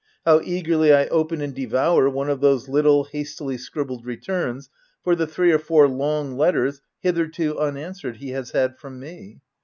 how eagerly I open and devour one of those little, hastily scribbled returns for the three or four long letters, hitherto unanswered, he has had from me